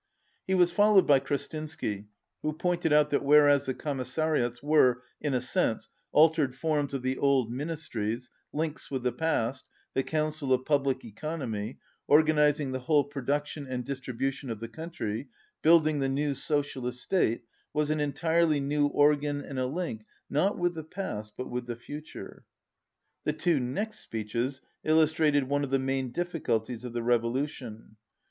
'iJ He was followed by Krestinsky, who pointed out that whereas the commissariats were, in a sense, altered forms of the old ministries, links with the past, the Council of Public Economy, organizing the whole production and distribution of the country, building the new socialist state, was an entirely new organ and a link, not with the past, but with the future. The two next speeches illustrated one of the main difficulties of the revolution.